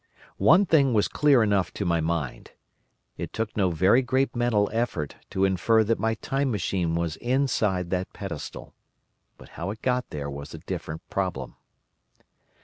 One thing was clear enough to my mind. It took no very great mental effort to infer that my Time Machine was inside that pedestal. But how it got there was a different problem.